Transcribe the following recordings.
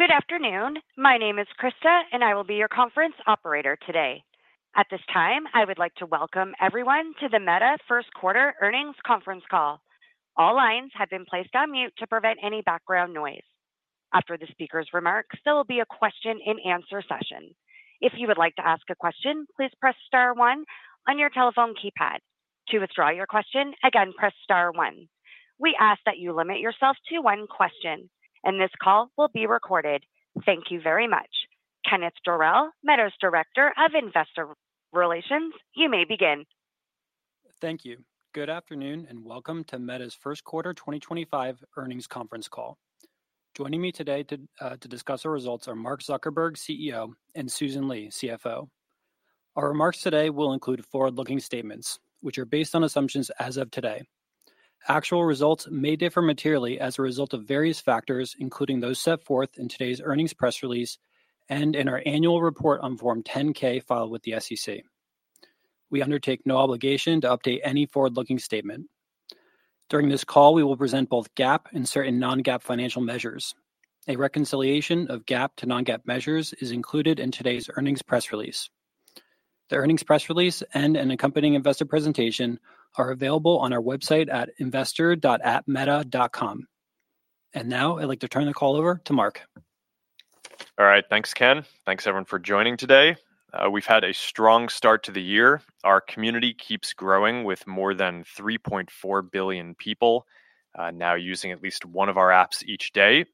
Good afternoon. My name is Krista, and I will be your conference operator today. At this time, I would like to welcome everyone to the Meta first quarter earnings conference call. All lines have been placed on mute to prevent any background noise. After the speaker's remarks, there will be a question-and-answer session. If you would like to ask a question, please press star one on your telephone keypad. To withdraw your question, again, press star one. We ask that you limit yourself to one question, and this call will be recorded. Thank you very much. Kenneth Dorell, Meta's Director of Investor Relations, you may begin. Thank you. Good afternoon and welcome to Meta's First Quarter 2025 earnings conference call. Joining me today to discuss our results are Mark Zuckerberg, CEO, and Susan Li, CFO. Our remarks today will include forward-looking statements, which are based on assumptions as of today. Actual results may differ materially as a result of various factors, including those set forth in today's earnings press release and in our annual report on Form 10-K filed with the SEC. We undertake no obligation to update any forward-looking statement. During this call, we will present both GAAP and certain non-GAAP financial measures. A reconciliation of GAAP to non-GAAP measures is included in today's earnings press release. The earnings press release and an accompanying investor presentation are available on our website at investor.atmeta.com. I would like to turn the call over to Mark. All right. Thanks, Ken. Thanks, everyone, for joining today. We've had a strong start to the year. Our community keeps growing with more than 3.4 billion people now using at least one of our apps each day.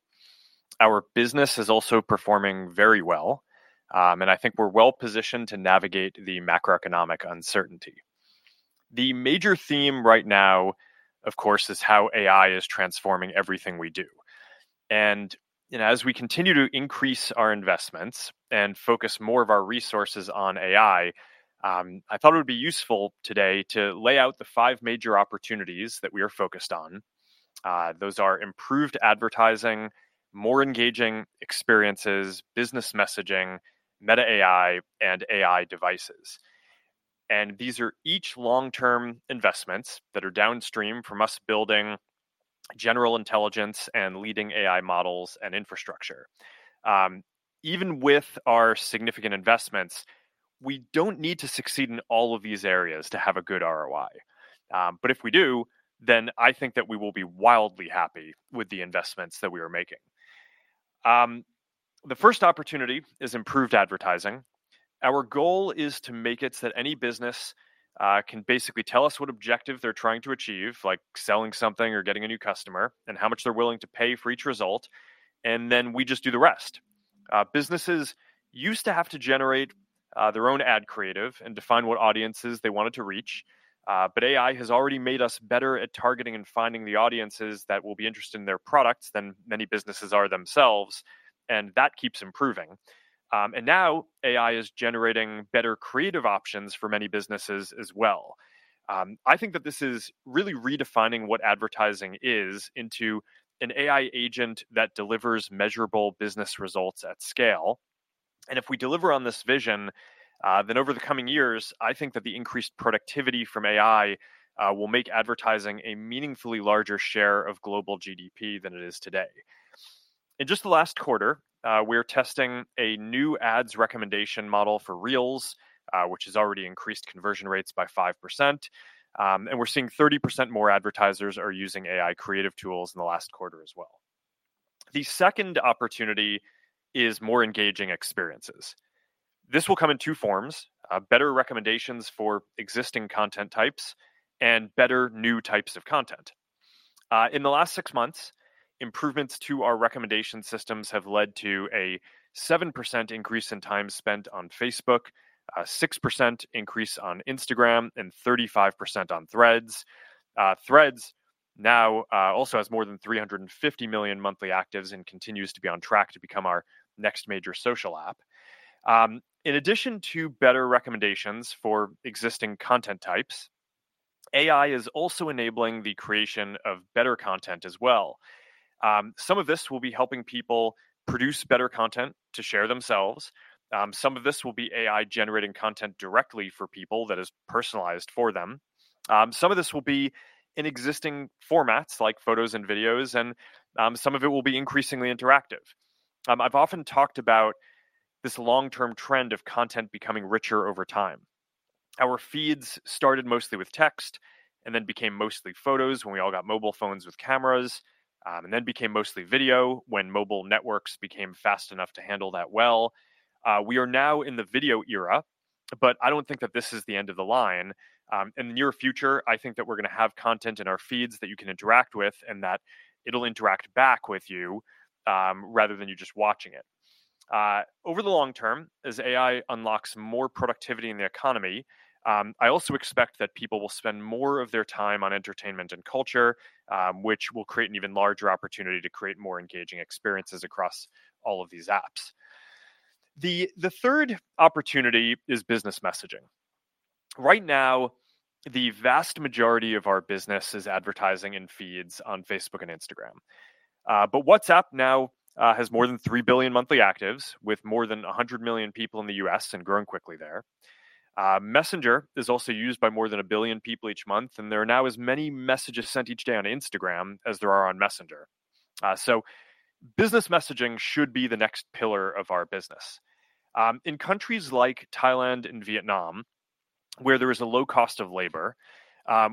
Our business is also performing very well, and I think we're well positioned to navigate the macroeconomic uncertainty. The major theme right now, of course, is how AI is transforming everything we do. As we continue to increase our investments and focus more of our resources on AI, I thought it would be useful today to lay out the five major opportunities that we are focused on. Those are improved advertising, more engaging experiences, business messaging, Meta AI, and AI devices. These are each long-term investments that are downstream from us building general intelligence and leading AI models and infrastructure. Even with our significant investments, we do not need to succeed in all of these areas to have a good ROI. If we do, then I think that we will be wildly happy with the investments that we are making. The first opportunity is improved advertising. Our goal is to make it so that any business can basically tell us what objective they are trying to achieve, like selling something or getting a new customer, and how much they are willing to pay for each result. We just do the rest. Businesses used to have to generate their own ad creative and define what audiences they wanted to reach. AI has already made us better at targeting and finding the audiences that will be interested in their products than many businesses are themselves. That keeps improving. AI is now generating better creative options for many businesses as well. I think that this is really redefining what advertising is into an AI agent that delivers measurable business results at scale. If we deliver on this vision, then over the coming years, I think that the increased productivity from AI will make advertising a meaningfully larger share of global GDP than it is today. In just the last quarter, we're testing a new Ads Recommendation Model for Reels, which has already increased conversion rates by 5%. We're seeing 30% more advertisers are using AI creative tools in the last quarter as well. The second opportunity is more engaging experiences. This will come in two forms: better recommendations for existing content types and better new types of content. In the last six months, improvements to our recommendation systems have led to a 7% increase in time spent on Facebook, a 6% increase on Instagram, and 35% on Threads. Threads now also has more than 350 million monthly actives and continues to be on track to become our next major social app. In addition to better recommendations for existing content types, AI is also enabling the creation of better content as well. Some of this will be helping people produce better content to share themselves. Some of this will be AI-generated content directly for people that is personalized for them. Some of this will be in existing formats like photos and videos, and some of it will be increasingly interactive. I've often talked about this long-term trend of content becoming richer over time. Our feeds started mostly with text and then became mostly photos when we all got mobile phones with cameras, and then became mostly video when mobile networks became fast enough to handle that well. We are now in the video era, but I don't think that this is the end of the line. In the near future, I think that we're going to have content in our feeds that you can interact with and that it'll interact back with you rather than you just watching it. Over the long term, as AI unlocks more productivity in the economy, I also expect that people will spend more of their time on entertainment and culture, which will create an even larger opportunity to create more engaging experiences across all of these apps. The third opportunity is business messaging. Right now, the vast majority of our business is advertising in feeds on Facebook and Instagram. However, WhatsApp now has more than 3 billion monthly actives with more than 100 million people in the US and growing quickly there. Messenger is also used by more than a billion people each month, and there are now as many messages sent each day on Instagram as there are on Messenger. Business messaging should be the next pillar of our business. In countries like Thailand and Vietnam, where there is a low cost of labor,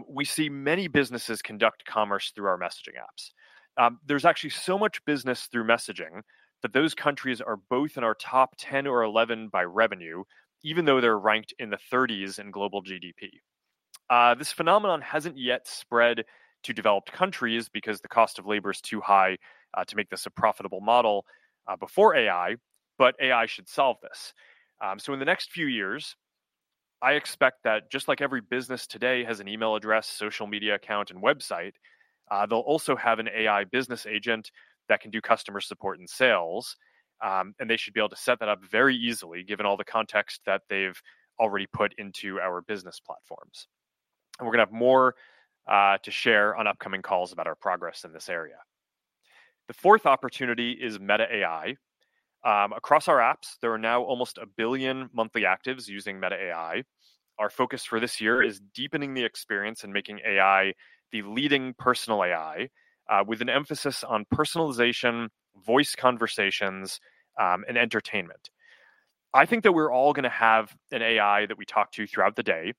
we see many businesses conduct commerce through our messaging apps. There is actually so much business through messaging that those countries are both in our top 10 or 11 by revenue, even though they are ranked in the 30s in global GDP. This phenomenon hasn't yet spread to developed countries because the cost of labor is too high to make this a profitable model before AI, but AI should solve this. In the next few years, I expect that just like every business today has an email address, social media account, and website, they'll also have an AI business agent that can do customer support and sales, and they should be able to set that up very easily given all the context that they've already put into our business platforms. We're going to have more to share on upcoming calls about our progress in this area. The fourth opportunity is Meta AI. Across our apps, there are now almost a billion monthly actives using Meta AI. Our focus for this year is deepening the experience and making AI the leading personal AI with an emphasis on personalization, voice conversations, and entertainment. I think that we're all going to have an AI that we talk to throughout the day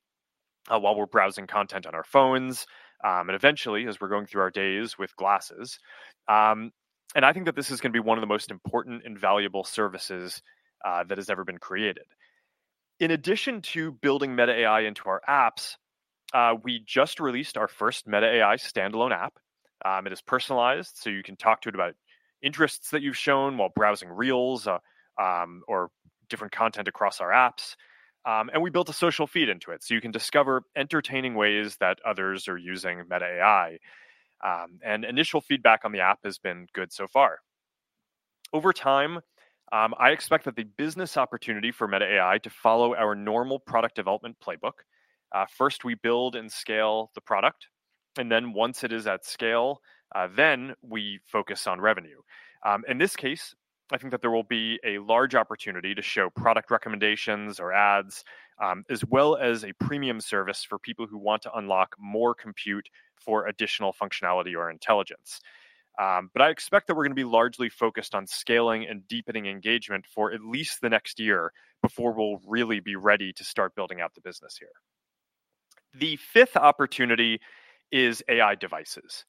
while we're browsing content on our phones and eventually as we're going through our days with glasses. I think that this is going to be one of the most important and valuable services that has ever been created. In addition to building Meta AI into our apps, we just released our first Meta AI standalone app. It is personalized, so you can talk to it about interests that you've shown while browsing Reels or different content across our apps. We built a social feed into it, so you can discover entertaining ways that others are using Meta AI. Initial feedback on the app has been good so far. Over time, I expect that the business opportunity for Meta AI to follow our normal product development playbook. First, we build and scale the product, and then once it is at scale, then we focus on revenue. In this case, I think that there will be a large opportunity to show product recommendations or ads, as well as a premium service for people who want to unlock more compute for additional functionality or intelligence. I expect that we're going to be largely focused on scaling and deepening engagement for at least the next year before we'll really be ready to start building out the business here. The fifth opportunity is AI devices,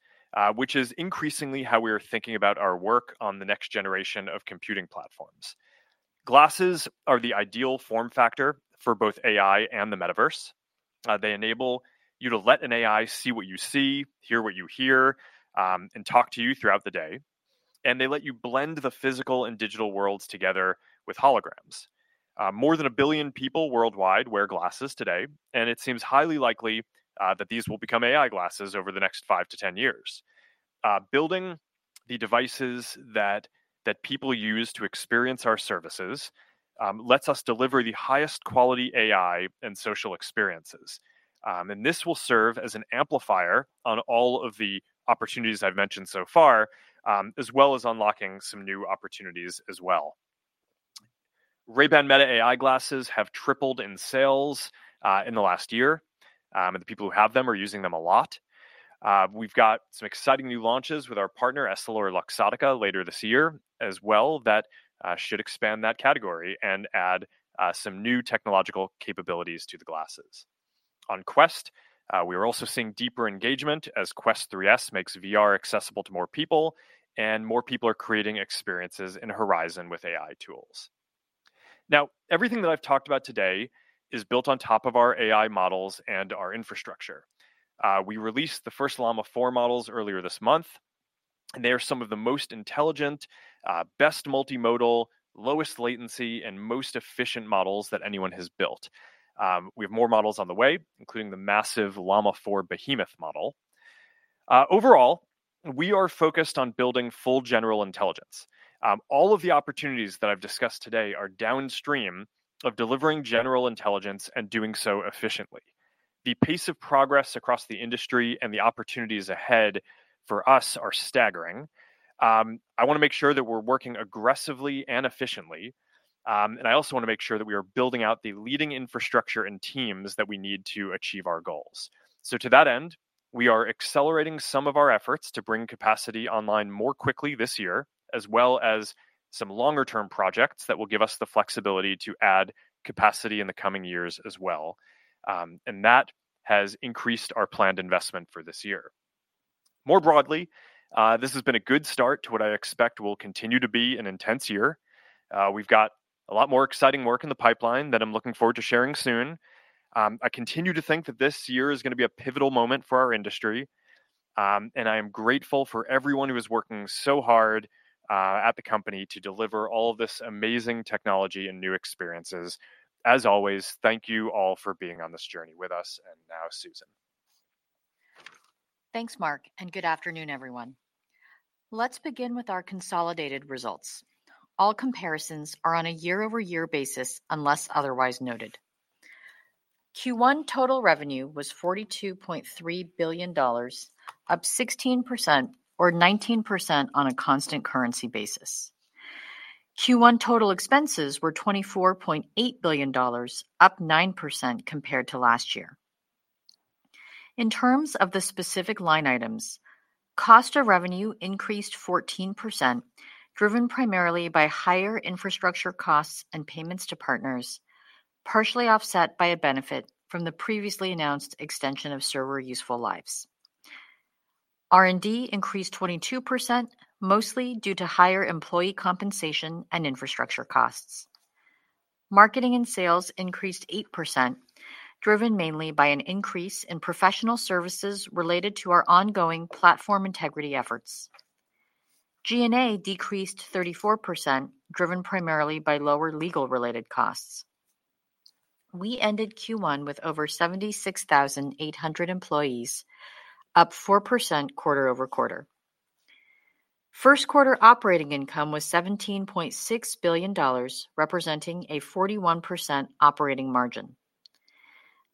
which is increasingly how we are thinking about our work on the next generation of computing platforms. Glasses are the ideal form factor for both AI and the metaverse. They enable you to let an AI see what you see, hear what you hear, and talk to you throughout the day. They let you blend the physical and digital worlds together with holograms. More than a billion people worldwide wear glasses today, and it seems highly likely that these will become AI glasses over the next 5 to 10 years. Building the devices that people use to experience our services lets us deliver the highest quality AI and social experiences. This will serve as an amplifier on all of the opportunities I've mentioned so far, as well as unlocking some new opportunities as well. Ray-Ban Meta AI Glasses have tripled in sales in the last year, and the people who have them are using them a lot. We've got some exciting new launches with our partner EssilorLuxottica later this year as well that should expand that category and add some new technological capabilities to the glasses. On Quest, we are also seeing deeper engagement as Quest 3S makes VR accessible to more people, and more people are creating experiences in Horizon with AI tools. Now, everything that I've talked about today is built on top of our AI models and our infrastructure. We released the first Llama 4 models earlier this month, and they are some of the most intelligent, best multimodal, lowest latency, and most efficient models that anyone has built. We have more models on the way, including the massive Llama 4 Behemoth model. Overall, we are focused on building full general intelligence. All of the opportunities that I've discussed today are downstream of delivering general intelligence and doing so efficiently. The pace of progress across the industry and the opportunities ahead for us are staggering. I want to make sure that we're working aggressively and efficiently, and I also want to make sure that we are building out the leading infrastructure and teams that we need to achieve our goals. To that end, we are accelerating some of our efforts to bring capacity online more quickly this year, as well as some longer-term projects that will give us the flexibility to add capacity in the coming years as well. That has increased our planned investment for this year. More broadly, this has been a good start to what I expect will continue to be an intense year. We've got a lot more exciting work in the pipeline that I'm looking forward to sharing soon. I continue to think that this year is going to be a pivotal moment for our industry, and I am grateful for everyone who is working so hard at the company to deliver all of this amazing technology and new experiences. As always, thank you all for being on this journey with us. Now, Susan. Thanks, Mark, and good afternoon, everyone. Let's begin with our consolidated results. All comparisons are on a year-over-year basis unless otherwise noted. Q1 total revenue was $42.3 billion, up 16% or 19% on a constant currency basis. Q1 total expenses were $24.8 billion, up 9% compared to last year. In terms of the specific line items, cost of revenue increased 14%, driven primarily by higher infrastructure costs and payments to partners, partially offset by a benefit from the previously announced extension of server useful lives. R&D increased 22%, mostly due to higher employee compensation and infrastructure costs. Marketing and sales increased 8%, driven mainly by an increase in professional services related to our ongoing platform integrity efforts. G&A decreased 34%, driven primarily by lower legal-related costs. We ended Q1 with over 76,800 employees, up 4% quarter over quarter. First quarter operating income was $17.6 billion, representing a 41% operating margin.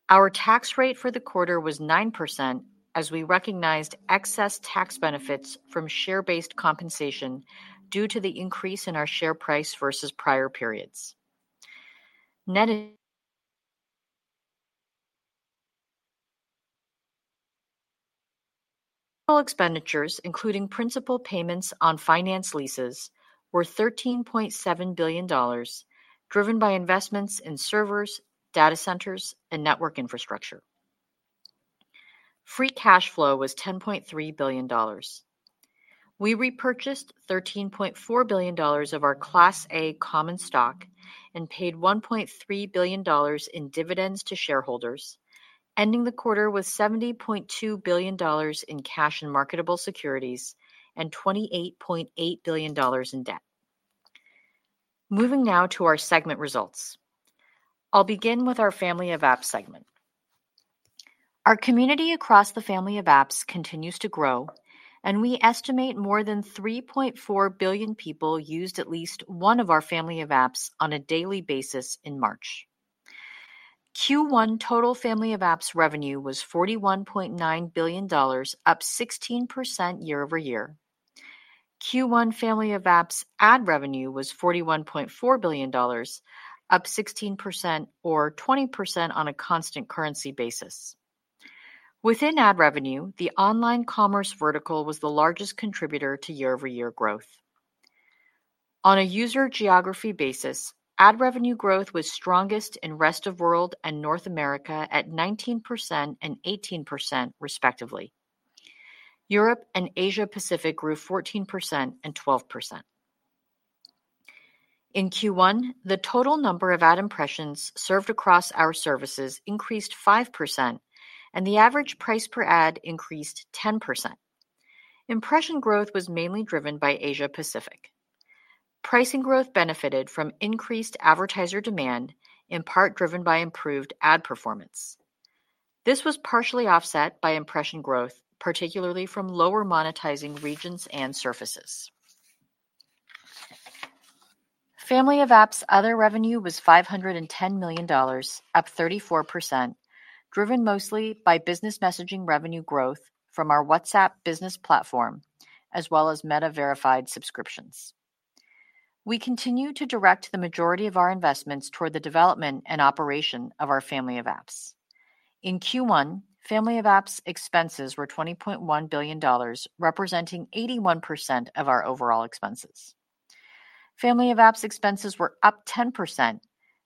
Our tax rate for the quarter was 9% as we recognized excess tax benefits from share-based compensation due to the increase in our share price versus prior periods. Net expenditures, including principal payments on finance leases, were $13.7 billion, driven by investments in servers, data centers, and network infrastructure. Free cash flow was $10.3 billion. We repurchased $13.4 billion of our Class A common stock and paid $1.3 billion in dividends to shareholders, ending the quarter with $70.2 billion in cash and marketable securities and $28.8 billion in debt. Moving now to our segment results, I'll begin with our Family of Apps segment. Our community across the Family of Apps continues to grow, and we estimate more than 3.4 billion people used at least one of our Family of Apps on a daily basis in March. Q1 total Family of Apps revenue was $41.9 billion, up 16% year-over-year. Q1 Family of Apps ad revenue was $41.4 billion, up 16% or 20% on a constant currency basis. Within ad revenue, the online commerce vertical was the largest contributor to year-over-year growth. On a user geography basis, ad revenue growth was strongest in Rest of World and North America at 19% and 18%, respectively. Europe and Asia-Pacific grew 14% and 12%. In Q1, the total number of ad impressions served across our services increased 5%, and the average price per ad increased 10%. Impression growth was mainly driven by Asia-Pacific. Pricing growth benefited from increased advertiser demand, in part driven by improved ad performance. This was partially offset by impression growth, particularly from lower monetizing regions and surfaces. Family of Apps other revenue was $510 million, up 34%, driven mostly by business messaging revenue growth from our WhatsApp business platform, as well as Meta Verified subscriptions. We continue to direct the majority of our investments toward the development and operation of our Family of Apps. In Q1, Family of Apps expenses were $20.1 billion, representing 81% of our overall expenses. Family of Apps expenses were up 10%,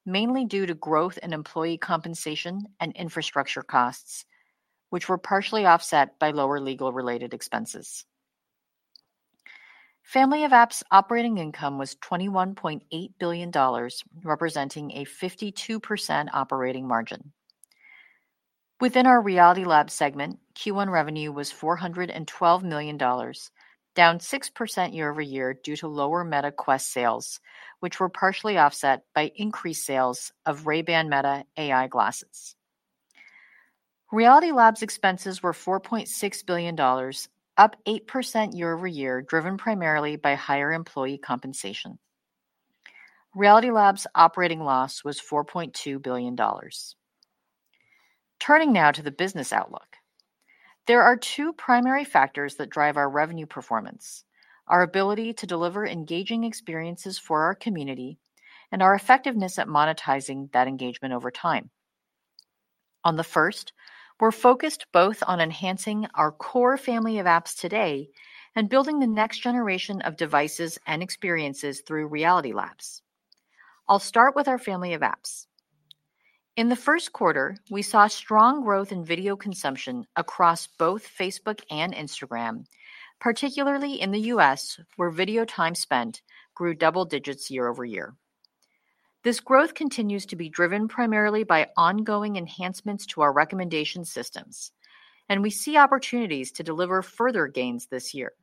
mainly due to growth in employee compensation and infrastructure costs, which were partially offset by lower legal-related expenses. Family of Apps operating income was $21.8 billion, representing a 52% operating margin. Within our Reality Labs segment, Q1 revenue was $412 million, down 6% year-over-year due to lower Meta Quest sales, which were partially offset by increased sales of Ray-Ban Meta AI Glasses. Reality labs expenses were $4.6 billion, up 8% year-over-year, driven primarily by higher employee compensation. Reality labs operating loss was $4.2 billion. Turning now to the business outlook, there are two primary factors that drive our revenue performance: our ability to deliver engaging experiences for our community and our effectiveness at monetizing that engagement over time. On the first, we're focused both on enhancing our core Family of Apps today and building the next generation of devices and experiences through Reality Labs. I'll start with our Family of Apps. In the first quarter, we saw strong growth in video consumption across both Facebook and Instagram, particularly in the U.S., where video time spent grew double digits year-over-year. This growth continues to be driven primarily by ongoing enhancements to our recommendation systems, and we see opportunities to deliver further gains this year.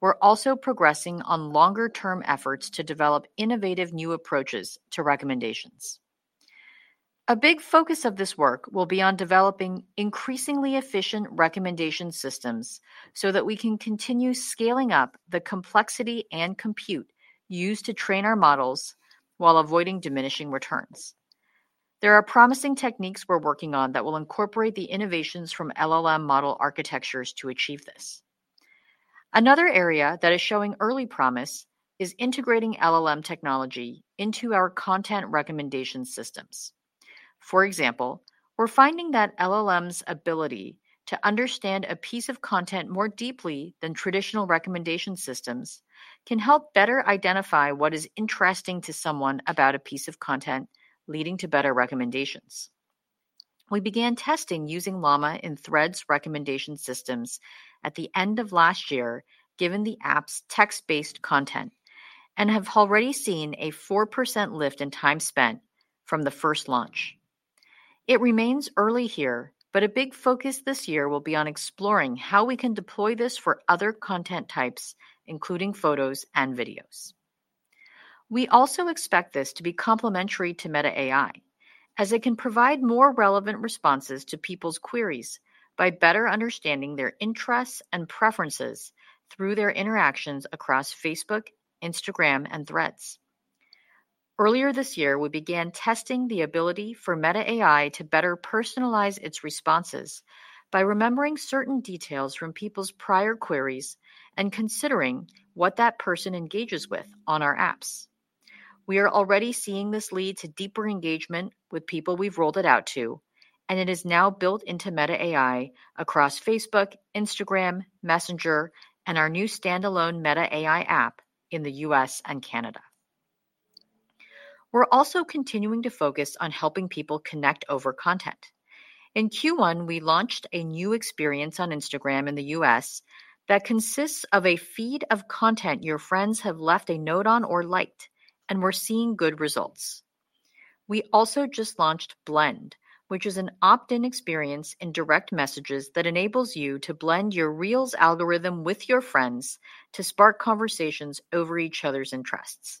We're also progressing on longer-term efforts to develop innovative new approaches to recommendations. A big focus of this work will be on developing increasingly efficient recommendation systems so that we can continue scaling up the complexity and compute used to train our models while avoiding diminishing returns. There are promising techniques we're working on that will incorporate the innovations from LLM model architectures to achieve this. Another area that is showing early promise is integrating LLM technology into our content recommendation systems. For example, we're finding that LLM's ability to understand a piece of content more deeply than traditional recommendation systems can help better identify what is interesting to someone about a piece of content, leading to better recommendations. We began testing using Llama in Threads recommendation systems at the end of last year, given the app's text-based content, and have already seen a 4% lift in time spent from the first launch. It remains early here, but a big focus this year will be on exploring how we can deploy this for other content types, including photos and videos. We also expect this to be complementary to Meta AI, as it can provide more relevant responses to people's queries by better understanding their interests and preferences through their interactions across Facebook, Instagram, and Threads. Earlier this year, we began testing the ability for Meta AI to better personalize its responses by remembering certain details from people's prior queries and considering what that person engages with on our apps. We are already seeing this lead to deeper engagement with people we've rolled it out to, and it is now built into Meta AI across Facebook, Instagram, Messenger, and our new standalone Meta AI app in the U.S. and Canada. We're also continuing to focus on helping people connect over content. In Q1, we launched a new experience on Instagram in the US that consists of a feed of content your friends have left a note on or liked, and we're seeing good results. We also just launched Blend, which is an opt-in experience in direct messages that enables you to blend your Reels algorithm with your friends to spark conversations over each other's interests.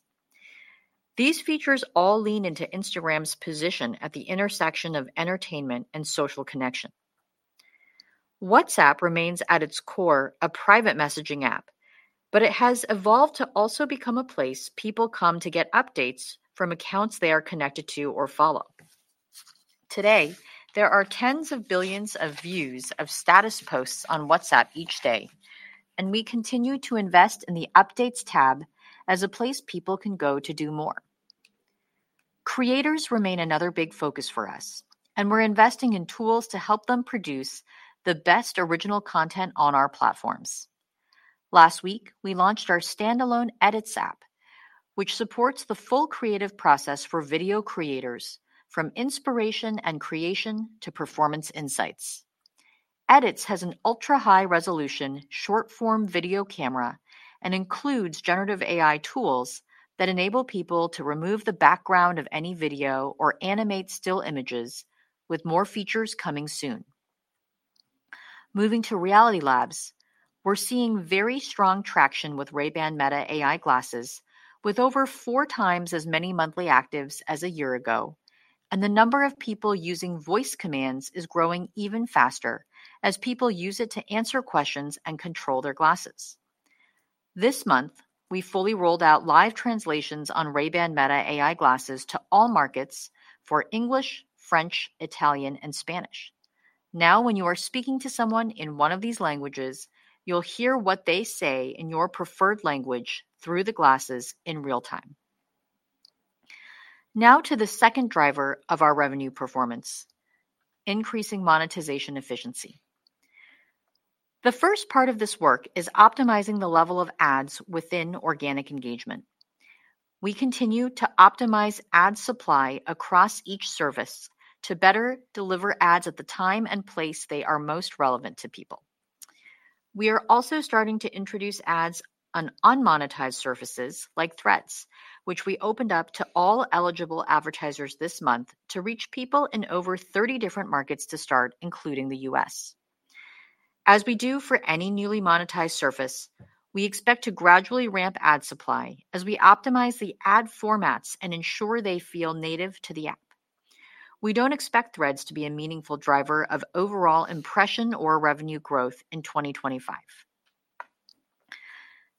These features all lean into Instagram's position at the intersection of entertainment and social connection. WhatsApp remains at its core a private messaging app, but it has evolved to also become a place people come to get updates from accounts they are connected to or follow. Today, there are tens of billions of views of status posts on WhatsApp each day, and we continue to invest in the updates tab as a place people can go to do more. Creators remain another big focus for us, and we're investing in tools to help them produce the best original content on our platforms. Last week, we launched our standalone Edits app, which supports the full creative process for video creators, from inspiration and creation to performance insights. Edits has an ultra-high resolution short-form video camera and includes generative AI tools that enable people to remove the background of any video or animate still images, with more features coming soon. Moving to Reality Labs, we're seeing very strong traction with Ray-Ban Meta AI Glasses, with over four times as many monthly actives as a year ago, and the number of people using voice commands is growing even faster as people use it to answer questions and control their glasses. This month, we fully rolled out live translations on Ray-Ban Meta AI Glasses to all markets for English, French, Italian, and Spanish. Now, when you are speaking to someone in one of these languages, you'll hear what they say in your preferred language through the glasses in real time. Now to the second driver of our revenue performance: increasing monetization efficiency. The first part of this work is optimizing the level of ads within organic engagement. We continue to optimize ad supply across each service to better deliver ads at the time and place they are most relevant to people. We are also starting to introduce ads on unmonetized surfaces like Threads, which we opened up to all eligible advertisers this month to reach people in over 30 different markets to start, including the US. As we do for any newly monetized surface, we expect to gradually ramp ad supply as we optimize the ad formats and ensure they feel native to the app. We don't expect Threads to be a meaningful driver of overall impression or revenue growth in 2025.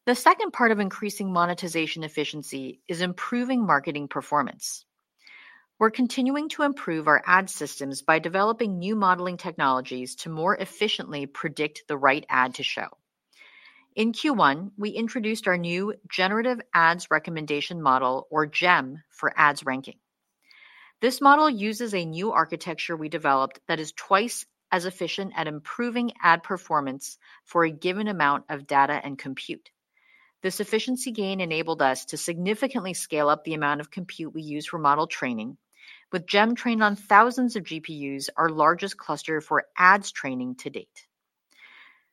The second part of increasing monetization efficiency is improving marketing performance. We're continuing to improve our ad systems by developing new modeling technologies to more efficiently predict the right ad to show. In Q1, we introduced our new Generative Ads Recommendation Model, or GEM, for ads ranking. This model uses a new architecture we developed that is twice as efficient at improving ad performance for a given amount of data and compute. This efficiency gain enabled us to significantly scale up the amount of compute we use for model training, with GEM trained on thousands of GPUs, our largest cluster for ads training to date.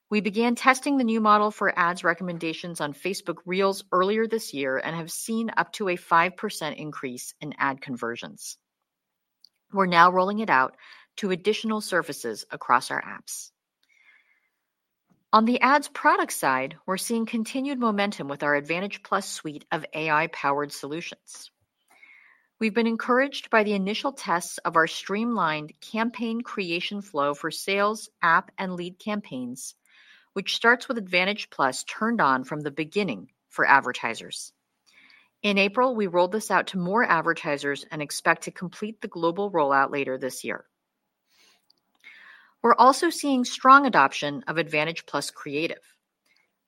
We began testing the new model for ads recommendations on Facebook Reels earlier this year and have seen up to a 5% increase in ad conversions. We're now rolling it out to additional surfaces across our apps. On the ads product side, we're seeing continued momentum with our Advantage+ suite of AI-powered solutions. We've been encouraged by the initial tests of our streamlined campaign creation flow for sales, app, and lead campaigns, which starts with Advantage+ turned on from the beginning for advertisers. In April, we rolled this out to more advertisers and expect to complete the global rollout later this year. We're also seeing strong adoption of Advantage+ Creative.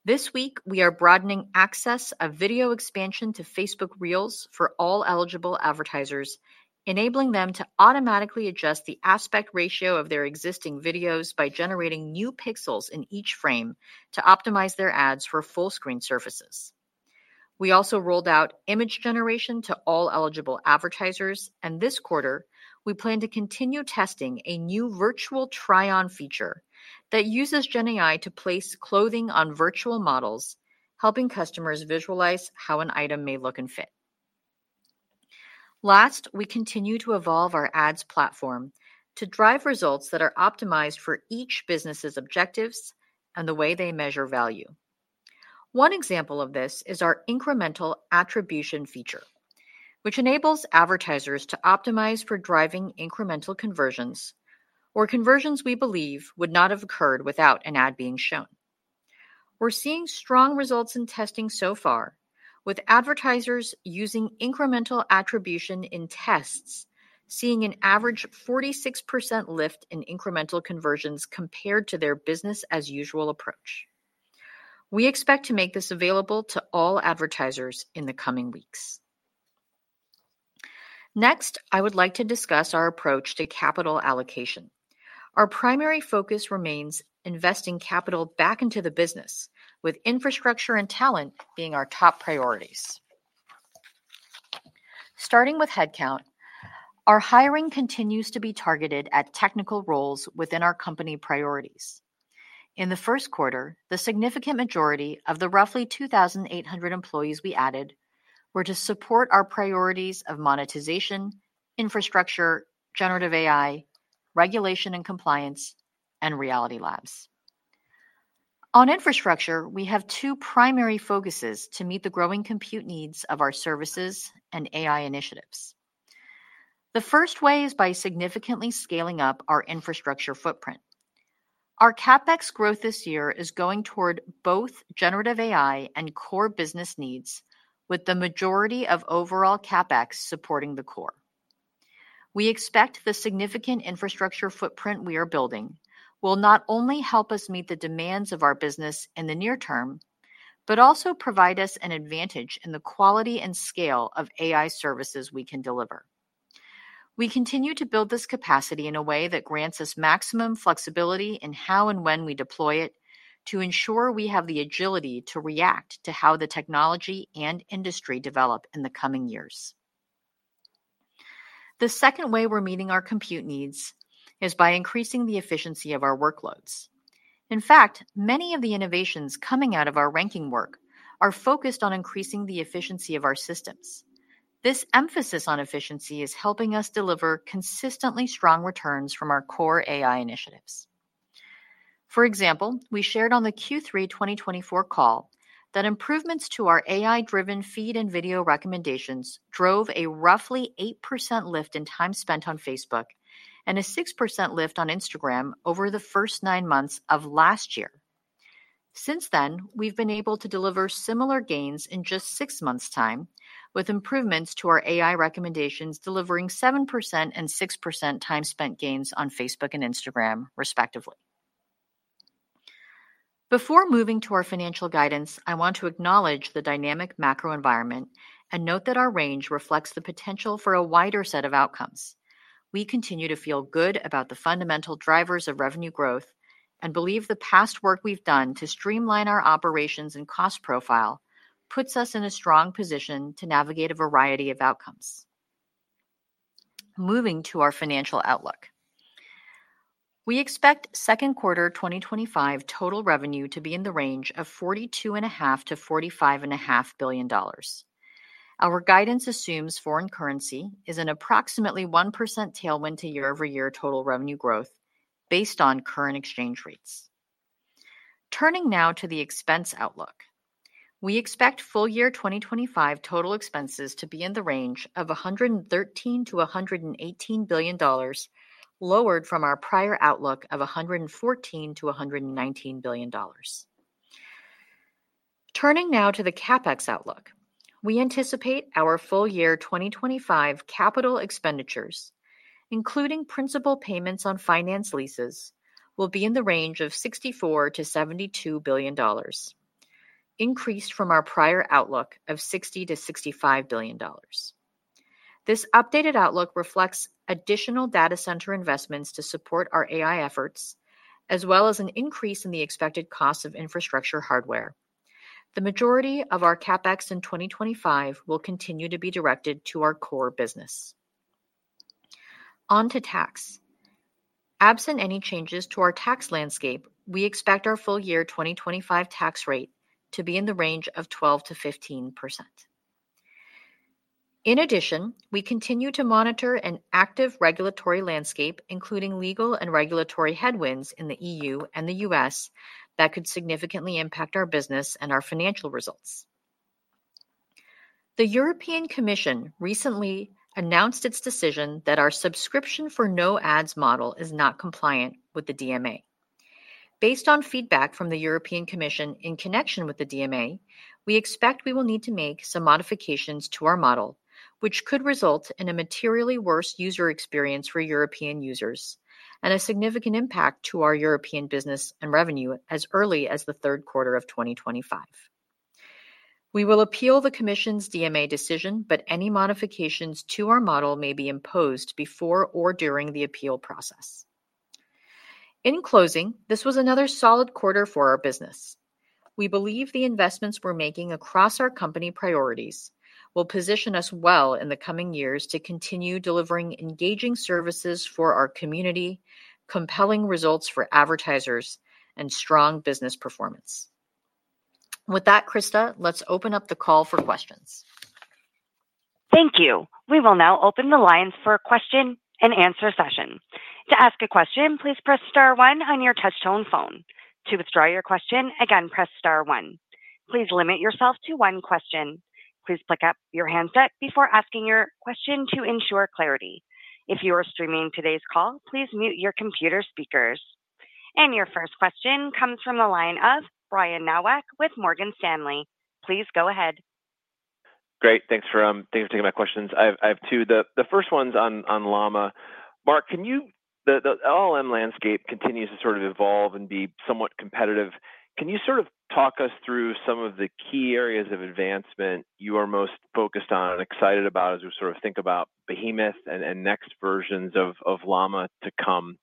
This week, we are broadening access of video expansion to Facebook Reels for all eligible advertisers, enabling them to automatically adjust the aspect ratio of their existing videos by generating new pixels in each frame to optimize their ads for full-screen surfaces. We also rolled out image generation to all eligible advertisers, and this quarter, we plan to continue testing a new virtual try-on feature that uses GenAI to place clothing on virtual models, helping customers visualize how an item may look and fit. Last, we continue to evolve our ads platform to drive results that are optimized for each business's objectives and the way they measure value. One example of this is our incremental attribution feature, which enables advertisers to optimize for driving incremental conversions, or conversions we believe would not have occurred without an ad being shown. We're seeing strong results in testing so far, with advertisers using incremental attribution in tests seeing an average 46% lift in incremental conversions compared to their business-as-usual approach. We expect to make this available to all advertisers in the coming weeks. Next, I would like to discuss our approach to capital allocation. Our primary focus remains investing capital back into the business, with infrastructure and talent being our top priorities. Starting with headcount, our hiring continues to be targeted at technical roles within our company priorities. In the first quarter, the significant majority of the roughly 2,800 employees we added were to support our priorities of monetization, infrastructure, generative AI, regulation and compliance, and Reality Labs. On infrastructure, we have two primary focuses to meet the growing compute needs of our services and AI initiatives. The first way is by significantly scaling up our infrastructure footprint. Our CapEx growth this year is going toward both generative AI and core business needs, with the majority of overall CapEx supporting the core. We expect the significant infrastructure footprint we are building will not only help us meet the demands of our business in the near term, but also provide us an advantage in the quality and scale of AI services we can deliver. We continue to build this capacity in a way that grants us maximum flexibility in how and when we deploy it to ensure we have the agility to react to how the technology and industry develop in the coming years. The second way we're meeting our compute needs is by increasing the efficiency of our workloads. In fact, many of the innovations coming out of our ranking work are focused on increasing the efficiency of our systems. This emphasis on efficiency is helping us deliver consistently strong returns from our core AI initiatives. For example, we shared on the Q3 2024 call that improvements to our AI-driven feed and video recommendations drove a roughly 8% lift in time spent on Facebook and a 6% lift on Instagram over the first nine months of last year. Since then, we've been able to deliver similar gains in just six months' time, with improvements to our AI recommendations delivering 7% and 6% time spent gains on Facebook and Instagram, respectively. Before moving to our financial guidance, I want to acknowledge the dynamic macro environment and note that our range reflects the potential for a wider set of outcomes. We continue to feel good about the fundamental drivers of revenue growth and believe the past work we've done to streamline our operations and cost profile puts us in a strong position to navigate a variety of outcomes. Moving to our financial outlook, we expect second quarter 2025 total revenue to be in the range of $42.5 billion-$45.5 billion. Our guidance assumes foreign currency is an approximately 1% tailwind to year-over-year total revenue growth based on current exchange rates. Turning now to the expense outlook, we expect full year 2025 total expenses to be in the range of $113 billion-$118 billion, lowered from our prior outlook of $114 billion-$119 billion. Turning now to the CapEx outlook, we anticipate our full year 2025 capital expenditures, including principal payments on finance leases, will be in the range of $64 billion-$72 billion, increased from our prior outlook of $60 billion-$65 billion. This updated outlook reflects additional data center investments to support our AI efforts, as well as an increase in the expected cost of infrastructure hardware. The majority of our CapEx in 2025 will continue to be directed to our core business. On to tax. Absent any changes to our tax landscape, we expect our full year 2025 tax rate to be in the range of 12%-15%. In addition, we continue to monitor an active regulatory landscape, including legal and regulatory headwinds in the EU and the US that could significantly impact our business and our financial results. The European Commission recently announced its decision that our subscription for no ads model is not compliant with the DMA. Based on feedback from the European Commission in connection with the DMA, we expect we will need to make some modifications to our model, which could result in a materially worse user experience for European users and a significant impact to our European business and revenue as early as the third quarter of 2025. We will appeal the Commission's DMA decision, but any modifications to our model may be imposed before or during the appeal process. In closing, this was another solid quarter for our business. We believe the investments we're making across our company priorities will position us well in the coming years to continue delivering engaging services for our community, compelling results for advertisers, and strong business performance. With that, Krista, let's open up the call for questions. Thank you. We will now open the lines for a question-and-answer session. To ask a question, please press star one on your touch-tone phone. To withdraw your question, again, press star one. Please limit yourself to one question. Please pick up your handset before asking your question to ensure clarity. If you are streaming today's call, please mute your computer speakers. Your first question comes from the line of Brian Nowak with Morgan Stanley. Please go ahead. Great. Thanks for taking my questions. I have two. The first one's on Llama. Mark, the LLM landscape continues to sort of evolve and be somewhat competitive. Can you sort of talk us through some of the key areas of advancement you are most focused on and excited about as we sort of think about behemoth and next versions of Llama to come?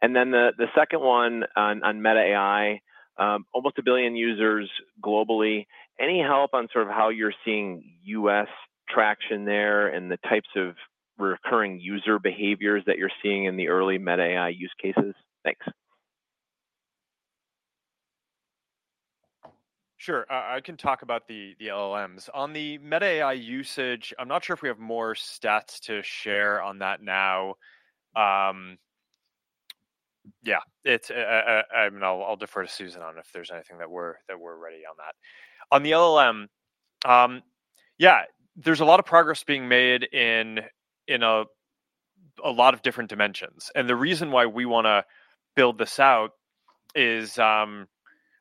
The second one on Meta AI, almost a billion users globally. Any help on sort of how you're seeing US traction there and the types of recurring user behaviors that you're seeing in the early Meta AI use cases? Thanks. Sure. I can talk about the LLMs. On the Meta AI usage, I'm not sure if we have more stats to share on that now. Yeah. I mean, I'll defer to Susan on if there's anything that we're ready on that. On the LLM, yeah, there's a lot of progress being made in a lot of different dimensions. The reason why we want to build this out is,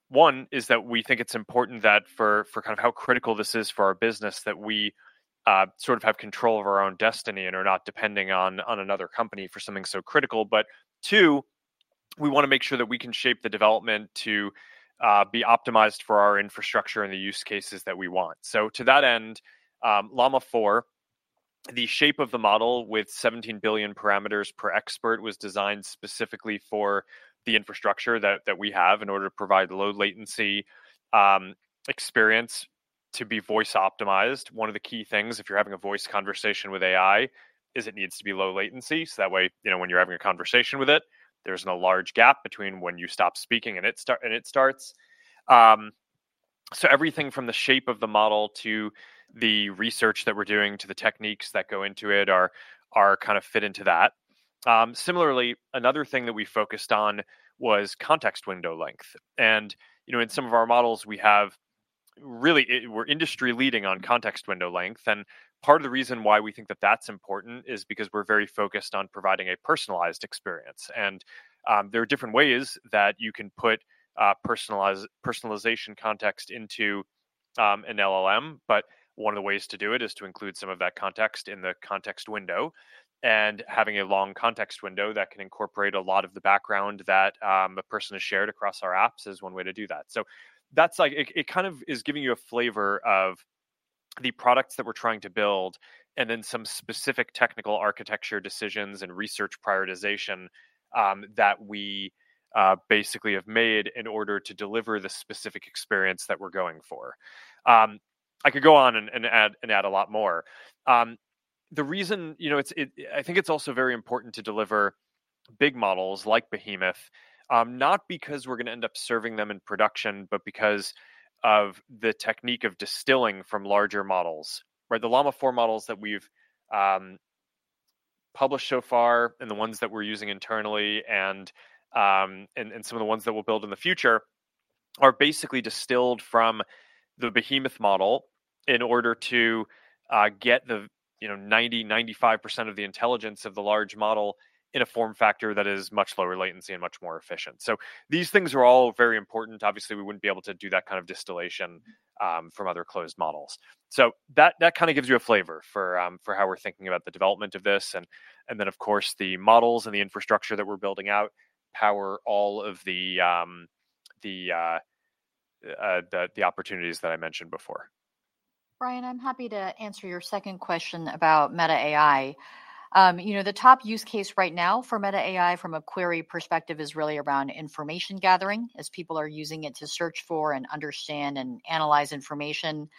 one, is that we think it's important that for kind of how critical this is for our business, that we sort of have control of our own destiny and are not depending on another company for something so critical. Two, we want to make sure that we can shape the development to be optimized for our infrastructure and the use cases that we want. To that end, Llama 4, the shape of the model with 17 billion parameters per expert was designed specifically for the infrastructure that we have in order to provide low-latency experience to be voice-optimized. One of the key things if you're having a voice conversation with AI is it needs to be low-latency. That way, when you're having a conversation with it, there's no large gap between when you stop speaking and it starts. Everything from the shape of the model to the research that we're doing to the techniques that go into it are kind of fit into that. Similarly, another thing that we focused on was context window length. In some of our models, we have really we're industry-leading on context window length. Part of the reason why we think that that's important is because we're very focused on providing a personalized experience. There are different ways that you can put personalization context into an LLM. One of the ways to do it is to include some of that context in the context window. Having a long context window that can incorporate a lot of the background that a person has shared across our apps is one way to do that. It kind of is giving you a flavor of the products that we're trying to build and then some specific technical architecture decisions and research prioritization that we basically have made in order to deliver the specific experience that we're going for. I could go on and add a lot more. The reason I think it's also very important to deliver big models like behemoth, not because we're going to end up serving them in production, but because of the technique of distilling from larger models. The Llama 4 models that we've published so far and the ones that we're using internally and some of the ones that we'll build in the future are basically distilled from the Behemoth model in order to get the 90-95% of the intelligence of the large model in a form factor that is much lower latency and much more efficient. These things are all very important. Obviously, we wouldn't be able to do that kind of distillation from other closed models. That kind of gives you a flavor for how we're thinking about the development of this. Of course, the models and the infrastructure that we're building out power all of the opportunities that I mentioned before. Brian, I'm happy to answer your second question about Meta AI. The top use case right now for Meta AI from a query perspective is really around information gathering as people are using it to search for and understand and analyze information,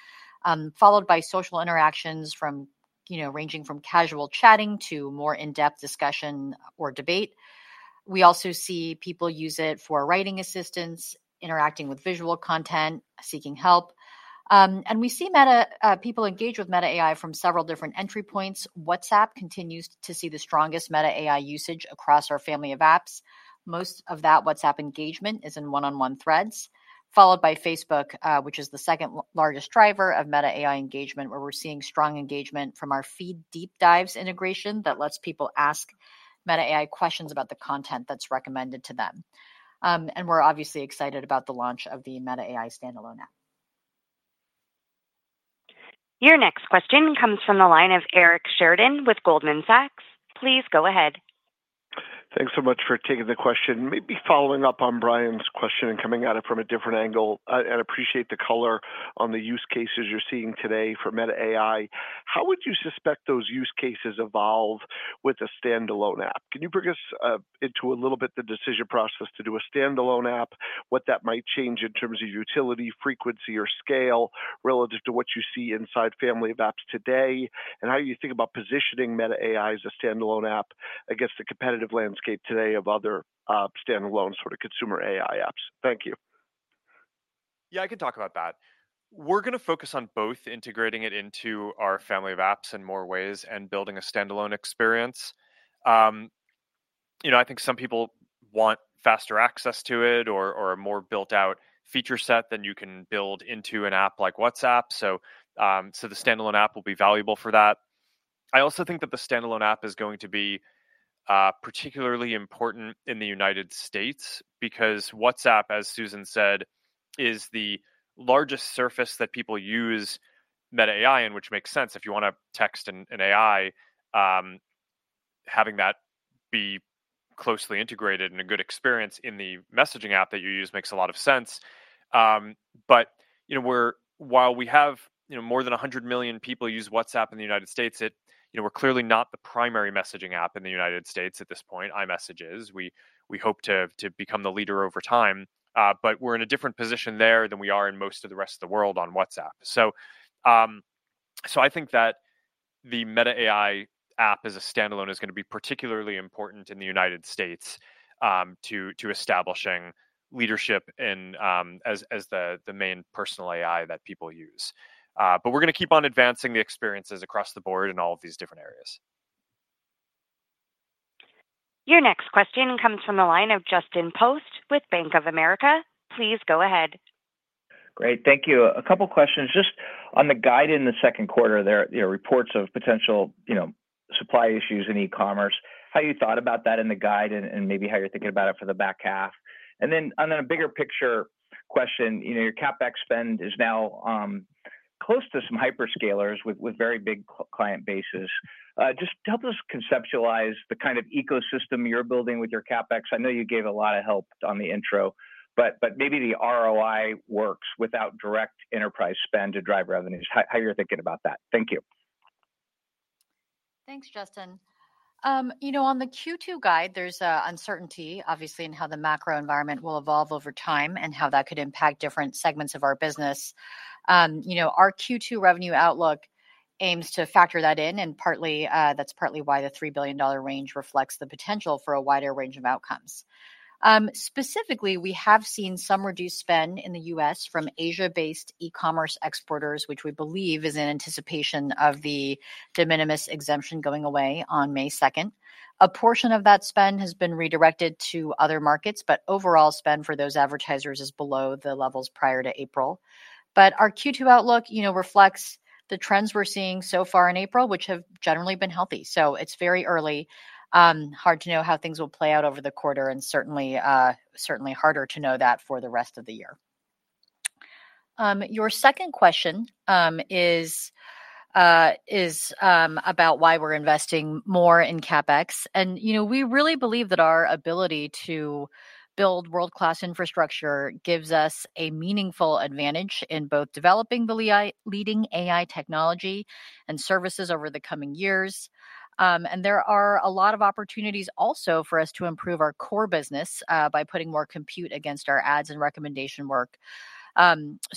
followed by social interactions ranging from casual chatting to more in-depth discussion or debate. We also see people use it for writing assistance, interacting with visual content, seeking help. We see people engage with Meta AI from several different entry points. WhatsApp continues to see the strongest Meta AI usage across our Family of Apps. Most of that WhatsApp engagement is in one-on-one threads, followed by Facebook, which is the second largest driver of Meta AI engagement, where we're seeing strong engagement from our feed deep dives integration that lets people ask Meta AI questions about the content that's recommended to them. We are obviously excited about the launch of the Meta AI standalone app. Your next question comes from the line of Eric Sheridan with Goldman Sachs. Please go ahead. Thanks so much for taking the question. Maybe following up on Brian's question and coming at it from a different angle, I appreciate the color on the use cases you're seeing today for Meta AI. How would you suspect those use cases evolve with a standalone app? Can you bring us into a little bit the decision process to do a standalone app, what that might change in terms of utility, frequency, or scale relative to what you see inside Family of Apps today, and how you think about positioning Meta AI as a standalone app against the competitive landscape today of other standalone sort of consumer AI apps? Thank you. Yeah, I can talk about that. We're going to focus on both integrating it into our Family of Apps in more ways and building a standalone experience. I think some people want faster access to it or a more built-out feature set than you can build into an app like WhatsApp. The standalone app will be valuable for that. I also think that the standalone app is going to be particularly important in the United States because WhatsApp, as Susan said, is the largest surface that people use Meta AI in, which makes sense if you want to text an AI. Having that be closely integrated and a good experience in the messaging app that you use makes a lot of sense. While we have more than 100 million people use WhatsApp in the United States, we're clearly not the primary messaging app in the United States at this point, iMessage is. We hope to become the leader over time, but we're in a different position there than we are in most of the rest of the world on WhatsApp. I think that the Meta AI app as a standalone is going to be particularly important in the United States to establishing leadership as the main personal AI that people use. We're going to keep on advancing the experiences across the board in all of these different areas. Your next question comes from the line of Justin Post with Bank of America. Please go ahead. Great. Thank you. A couple of questions just on the guide in the second quarter, there are reports of potential supply issues in e-commerce. How you thought about that in the guide and maybe how you're thinking about it for the back half. On a bigger picture question, your CapEx spend is now close to some hyperscalers with very big client bases. Just help us conceptualize the kind of ecosystem you're building with your CapEx. I know you gave a lot of help on the intro, but maybe the ROI works without direct enterprise spend to drive revenues. How you're thinking about that? Thank you. Thanks, Justin. On the Q2 guide, there's uncertainty, obviously, in how the macro environment will evolve over time and how that could impact different segments of our business. Our Q2 revenue outlook aims to factor that in, and that's partly why the $3 billion range reflects the potential for a wider range of outcomes. Specifically, we have seen some reduced spend in the U.S. from Asia-based e-commerce exporters, which we believe is in anticipation of the de minimis exemption going away on May 2. A portion of that spend has been redirected to other markets, but overall spend for those advertisers is below the levels prior to April. Our Q2 outlook reflects the trends we're seeing so far in April, which have generally been healthy. It is very early. Hard to know how things will play out over the quarter and certainly harder to know that for the rest of the year. Your second question is about why we're investing more in CapEx. We really believe that our ability to build world-class infrastructure gives us a meaningful advantage in both developing the leading AI technology and services over the coming years. There are a lot of opportunities also for us to improve our core business by putting more compute against our ads and recommendation work.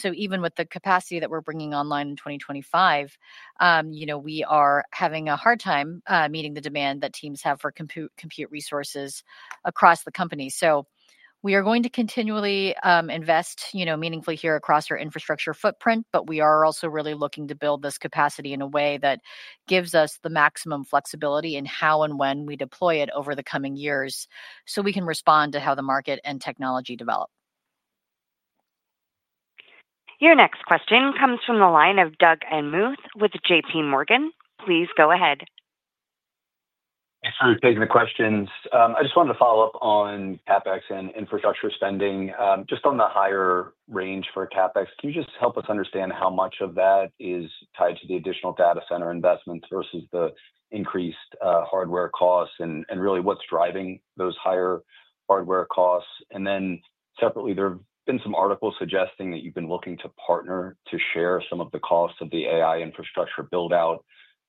Even with the capacity that we're bringing online in 2025, we are having a hard time meeting the demand that teams have for compute resources across the company. We are going to continually invest meaningfully here across our infrastructure footprint, but we are also really looking to build this capacity in a way that gives us the maximum flexibility in how and when we deploy it over the coming years so we can respond to how the market and technology develop. Your next question comes from the line of Douglas Anmuth with JPMorgan. Please go ahead. Thanks for taking the questions. I just wanted to follow up on CapEx and infrastructure spending. Just on the higher range for CapEx, can you just help us understand how much of that is tied to the additional data center investments versus the increased hardware costs and really what's driving those higher hardware costs? Then separately, there have been some articles suggesting that you've been looking to partner to share some of the costs of the AI infrastructure build-out.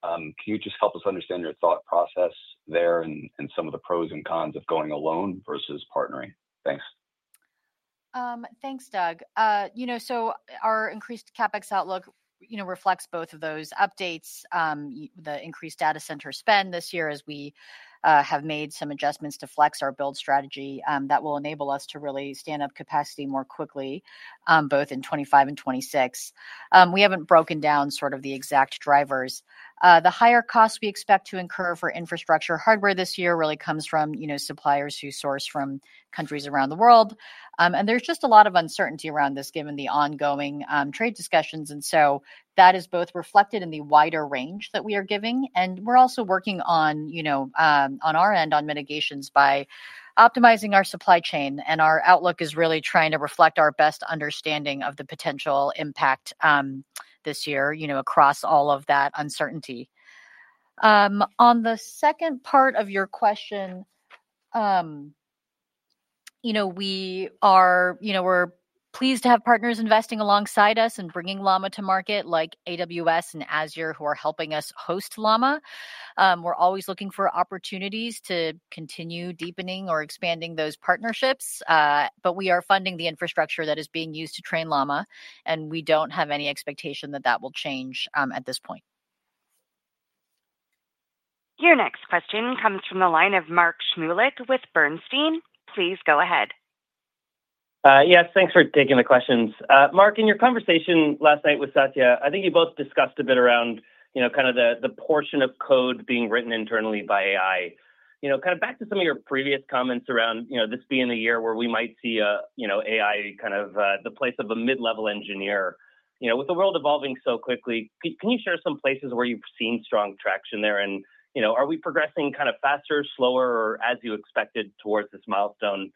Can you just help us understand your thought process there and some of the pros and cons of going alone versus partnering? Thanks. Thanks, Douglas. Our increased CapEx outlook reflects both of those updates, the increased data center spend this year as we have made some adjustments to flex our build strategy that will enable us to really stand up capacity more quickly, both in 2025 and 2026. We haven't broken down sort of the exact drivers. The higher costs we expect to incur for infrastructure hardware this year really comes from suppliers who source from countries around the world. There is just a lot of uncertainty around this given the ongoing trade discussions. That is both reflected in the wider range that we are giving. We are also working on our end on mitigations by optimizing our supply chain. Our outlook is really trying to reflect our best understanding of the potential impact this year across all of that uncertainty. On the second part of your question, we are pleased to have partners investing alongside us and bringing Llama to market like AWS and Azure, who are helping us host Llama. We are always looking for opportunities to continue deepening or expanding those partnerships. We are funding the infrastructure that is being used to train Llama. We do not have any expectation that that will change at this point. Your next question comes from the line of Mark Shmulik with Bernstein. Please go ahead. Yes, thanks for taking the questions. Mark, in your conversation last night with Satya, I think you both discussed a bit around kind of the portion of code being written internally by AI. Kind of back to some of your previous comments around this being the year where we might see AI kind of the place of a mid-level engineer. With the world evolving so quickly, can you share some places where you've seen strong traction there? Are we progressing kind of faster, slower, or as you expected towards this milestone?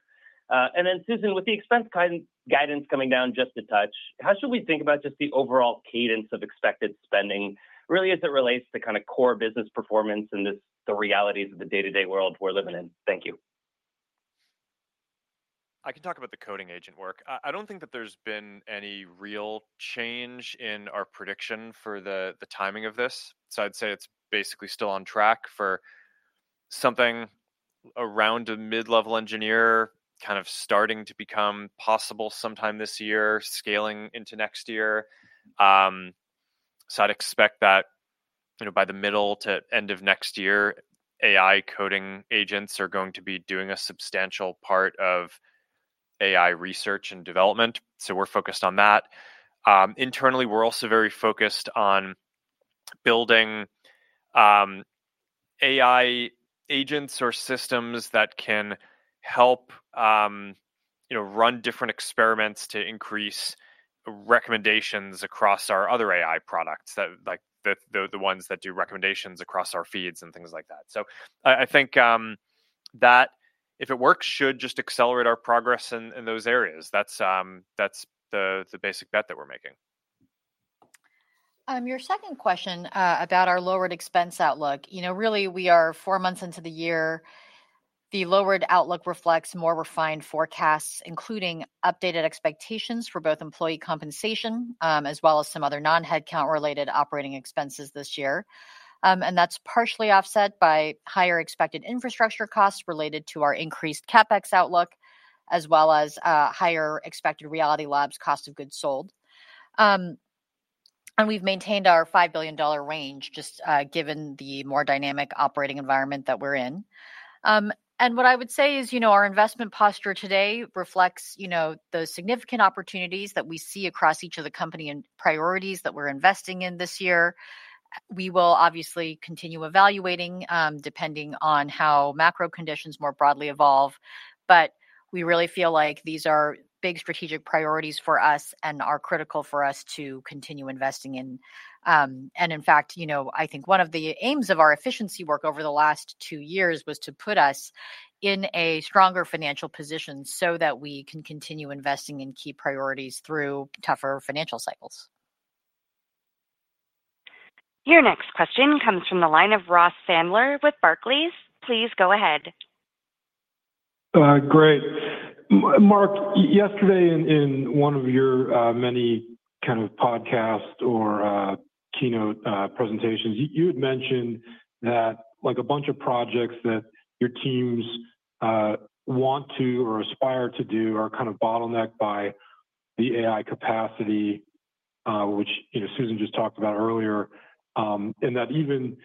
Susan, with the expense guidance coming down just a touch, how should we think about just the overall cadence of expected spending, really as it relates to kind of core business performance and the realities of the day-to-day world we're living in? Thank you. I can talk about the coding agent work. I don't think that there's been any real change in our prediction for the timing of this. I'd say it's basically still on track for something around a mid-level engineer kind of starting to become possible sometime this year, scaling into next year. I'd expect that by the middle to end of next year, AI coding agents are going to be doing a substantial part of AI research and development. We're focused on that. Internally, we're also very focused on building AI agents or systems that can help run different experiments to increase recommendations across our other AI products, like the ones that do recommendations across our feeds and things like that. I think that, if it works, should just accelerate our progress in those areas. That's the basic bet that we're making. Your second question about our lowered expense outlook. Really, we are four months into the year. The lowered outlook reflects more refined forecasts, including updated expectations for both employee compensation as well as some other non-headcount-related operating expenses this year. That's partially offset by higher expected infrastructure costs related to our increased CapEx outlook, as well as higher expected Reality Labs cost of goods sold. We've maintained our $5 billion range just given the more dynamic operating environment that we're in. What I would say is our investment posture today reflects the significant opportunities that we see across each of the company and priorities that we're investing in this year. We will obviously continue evaluating depending on how macro conditions more broadly evolve. We really feel like these are big strategic priorities for us and are critical for us to continue investing in. In fact, I think one of the aims of our efficiency work over the last two years was to put us in a stronger financial position so that we can continue investing in key priorities through tougher financial cycles. Your next question comes from the line of Ross Sandler with Barclays. Please go ahead. Great. Mark, yesterday in one of your many kind of podcast or keynote presentations, you had mentioned that a bunch of projects that your teams want to or aspire to do are kind of bottlenecked by the AI capacity, which Susan just talked about earlier, and that even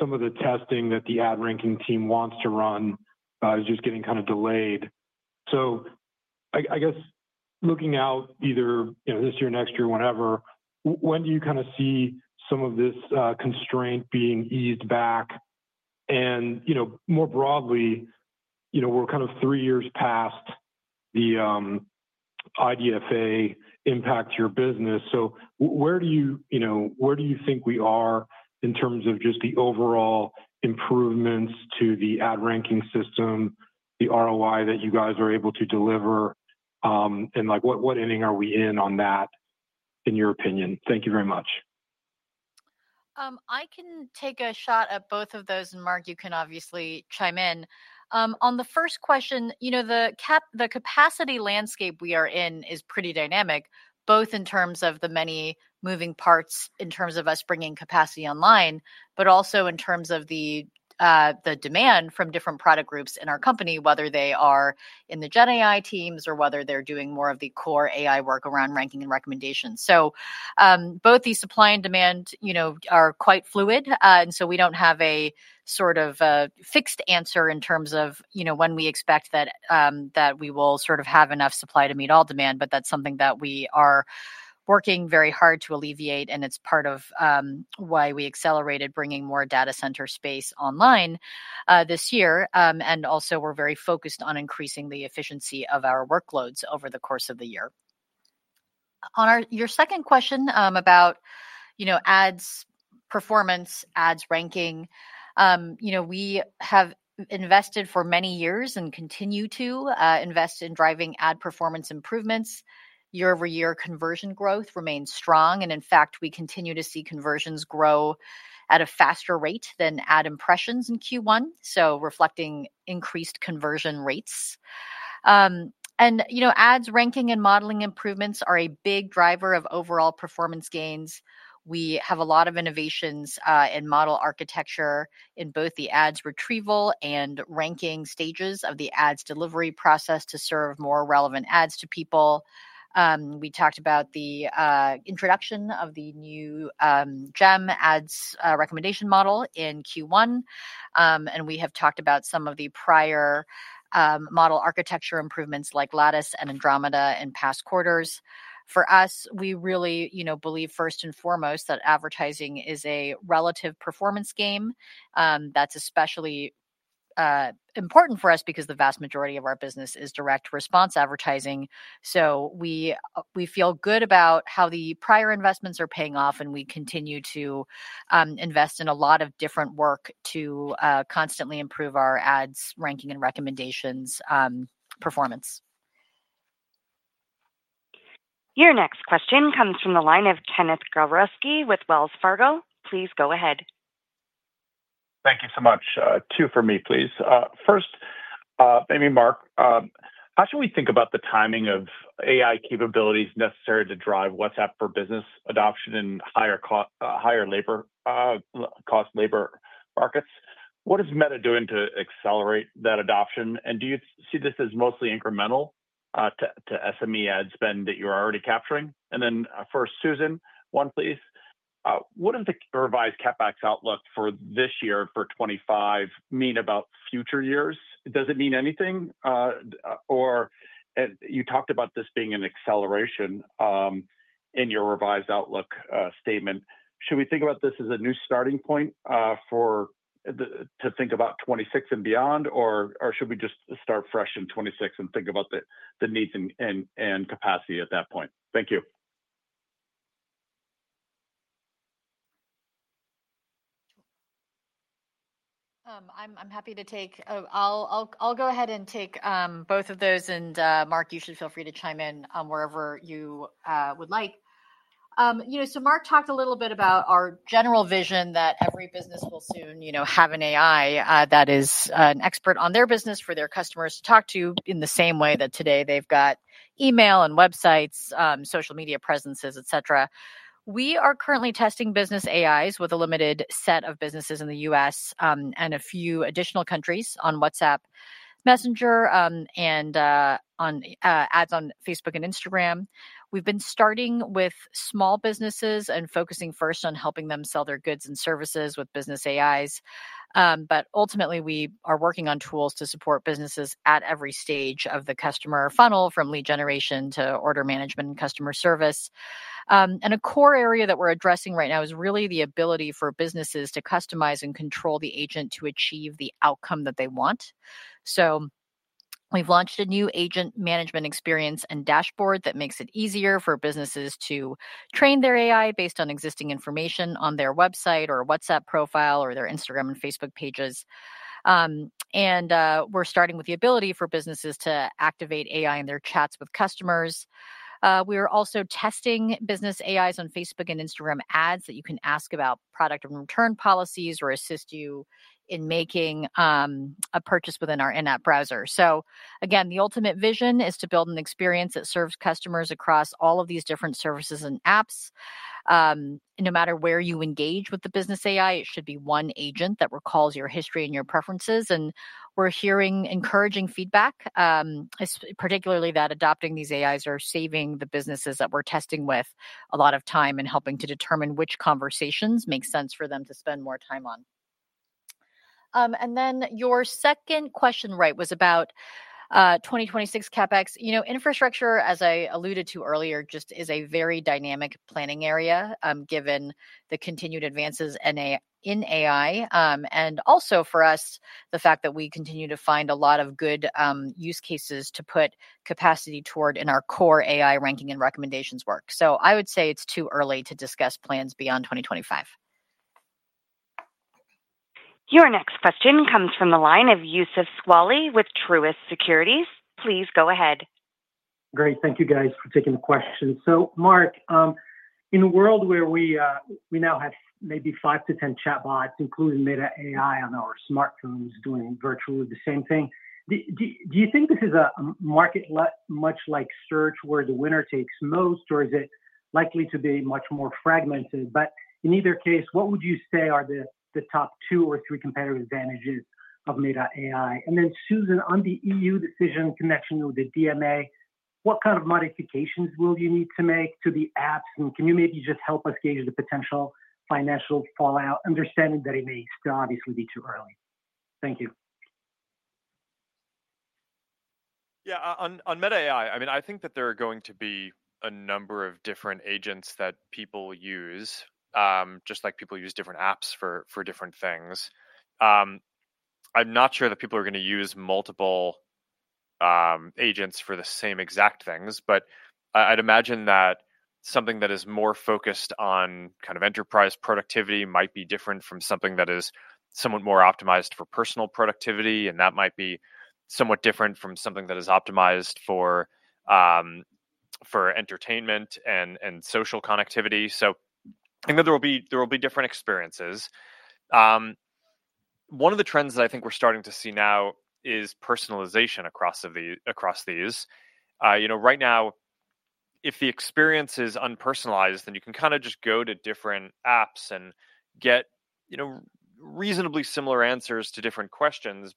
some of the testing that the ad ranking team wants to run is just getting kind of delayed. I guess looking out either this year, next year, whenever, when do you kind of see some of this constraint being eased back? More broadly, we are kind of three years past the IDFA impact your business. Where do you think we are in terms of just the overall improvements to the ad ranking system, the ROI that you guys are able to deliver, and what ending are we in on that, in your opinion? Thank you very much. I can take a shot at both of those, and Mark, you can obviously chime in. On the first question, the capacity landscape we are in is pretty dynamic, both in terms of the many moving parts in terms of us bringing capacity online, but also in terms of the demand from different product groups in our company, whether they are in the GenAI teams or whether they're doing more of the core AI work around ranking and recommendations. Both the supply and demand are quite fluid. We don't have a sort of fixed answer in terms of when we expect that we will sort of have enough supply to meet all demand, but that's something that we are working very hard to alleviate, and it's part of why we accelerated bringing more data center space online this year. We are very focused on increasing the efficiency of our workloads over the course of the year. On your second question about ads performance, ads ranking, we have invested for many years and continue to invest in driving ad performance improvements. Year-over-year conversion growth remains strong. In fact, we continue to see conversions grow at a faster rate than ad impressions in Q1, reflecting increased conversion rates. Ads ranking and modeling improvements are a big driver of overall performance gains. We have a lot of innovations in model architecture in both the ads retrieval and ranking stages of the ads delivery process to serve more relevant ads to people. We talked about the introduction of the new Gen ads recommendation model in Q1. We have talked about some of the prior model architecture improvements like Lattice and Andromeda in past quarters. For us, we really believe first and foremost that advertising is a relative performance game. That's especially important for us because the vast majority of our business is direct response advertising. We feel good about how the prior investments are paying off, and we continue to invest in a lot of different work to constantly improve our ads ranking and recommendations performance. Your next question comes from the line of Kenneth Gawrelski with Wells Fargo. Please go ahead. Thank you so much. Two for me, please. First, maybe Mark, how should we think about the timing of AI capabilities necessary to drive WhatsApp for Business adoption in higher labor cost labor markets? What is Meta doing to accelerate that adoption? Do you see this as mostly incremental to SME ad spend that you're already capturing? For Susan, one, please. What does the revised CapEx outlook for this year for 2025 mean about future years? Does it mean anything? You talked about this being an acceleration in your revised outlook statement. Should we think about this as a new starting point to think about 2026 and beyond, or should we just start fresh in 2026 and think about the needs and capacity at that point? Thank you. I'm happy to take—I’ll go ahead and take both of those. Mark, you should feel free to chime in wherever you would like. Mark talked a little bit about our general vision that every business will soon have an AI that is an expert on their business for their customers to talk to in the same way that today they've got email and websites, social media presences, et cetera. We are currently testing business AIs with a limited set of businesses in the U.S. and a few additional countries on WhatsApp, Messenger, and ads on Facebook and Instagram. We've been starting with small businesses and focusing first on helping them sell their goods and services with business AIs. Ultimately, we are working on tools to support businesses at every stage of the customer funnel, from lead generation to order management and customer service. A core area that we're addressing right now is really the ability for businesses to customize and control the agent to achieve the outcome that they want. We've launched a new agent management experience and dashboard that makes it easier for businesses to train their AI based on existing information on their website or WhatsApp profile or their Instagram and Facebook pages. We're starting with the ability for businesses to activate AI in their chats with customers. We are also testing business AIs on Facebook and Instagram ads that you can ask about product and return policies or assist you in making a purchase within our in-app browser. The ultimate vision is to build an experience that serves customers across all of these different services and apps. No matter where you engage with the business AI, it should be one agent that recalls your history and your preferences. We're hearing encouraging feedback, particularly that adopting these AIs are saving the businesses that we're testing with a lot of time and helping to determine which conversations make sense for them to spend more time on. Your second question, right, was about 2026 CapEx. Infrastructure, as I alluded to earlier, just is a very dynamic planning area given the continued advances in AI. Also for us, the fact that we continue to find a lot of good use cases to put capacity toward in our core AI ranking and recommendations work. I would say it's too early to discuss plans beyond 2025. Your next question comes from the line of Youssef Squali with Truist Securities. Please go ahead. Great. Thank you, guys, for taking the question. Mark, in a world where we now have maybe 5 to 10 chatbots, including Meta AI on our smartphones doing virtually the same thing, do you think this is a market much like search where the winner takes most, or is it likely to be much more fragmented? In either case, what would you say are the top two or three competitive advantages of Meta AI? Then Susan, on the EU decision connection with the DMA, what kind of modifications will you need to make to the apps? Can you maybe just help us gauge the potential financial fallout, understanding that it may still obviously be too early? Thank you. Yeah, on Meta AI, I mean, I think that there are going to be a number of different agents that people use, just like people use different apps for different things. I'm not sure that people are going to use multiple agents for the same exact things, but I'd imagine that something that is more focused on kind of enterprise productivity might be different from something that is somewhat more optimized for personal productivity. That might be somewhat different from something that is optimized for entertainment and social connectivity. I think there will be different experiences. One of the trends that I think we're starting to see now is personalization across these. Right now, if the experience is unpersonalized, then you can kind of just go to different apps and get reasonably similar answers to different questions.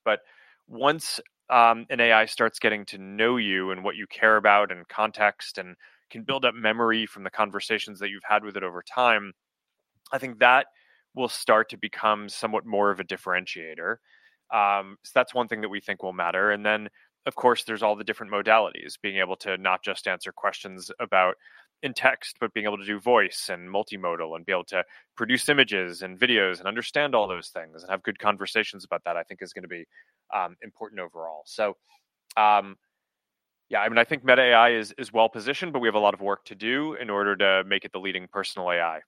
Once an AI starts getting to know you and what you care about and context and can build up memory from the conversations that you've had with it over time, I think that will start to become somewhat more of a differentiator. That's one thing that we think will matter. Of course, there are all the different modalities, being able to not just answer questions in text, but being able to do voice and multimodal and be able to produce images and videos and understand all those things and have good conversations about that, I think, is going to be important overall. Yeah, I mean, I think Meta AI is well-positioned, but we have a lot of work to do in order to make it the leading personal AI.